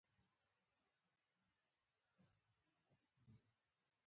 تا له تخم څخه جوړکړله تارونه